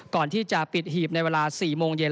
ก่อนที่จะปิดหีบในเวลา๔โมงเย็น